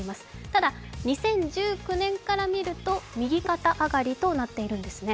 ただ、２０１９年から見ると右肩上がりとなっているんですね。